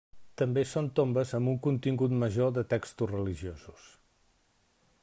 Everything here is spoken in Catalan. També són tombes amb un contingut major de textos religiosos.